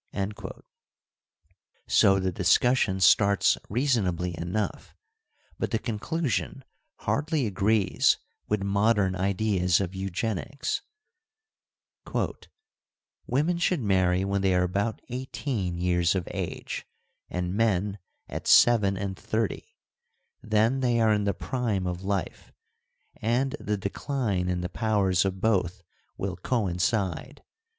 So the discussion starts reasonably enough, but the conclusion hardly agrees with modern ideas of eugenics : Women should marry when they are about eighteen years of age, and men at seven and thirty ; then they * Politics, 2, 9. ARISTOTLE 213 are in the prime of life, and the decline in the powers of both will coincide.